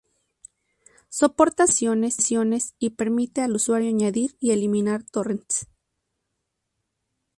Soporta salvar sesiones y permite al usuario añadir y eliminar torrents.